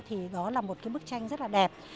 thì đó là một bức tranh rất đẹp